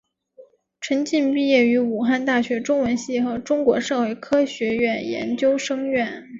陈晋毕业于武汉大学中文系和中国社会科学院研究生院。